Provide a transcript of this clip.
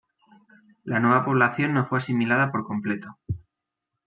La nueva población no fue asimilada por completo.